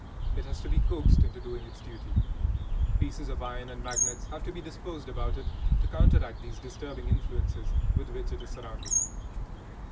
It has to be coaxed into doing its duty. Pieces of iron and magnets have to be disposed about it to counteract these disturbing influences with which it is surrounded.